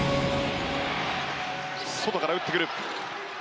外から打ってくる。